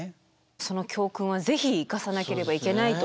その教訓を是非生かさなければいけないと。